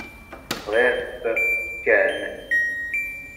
Bɣiɣ-t kan.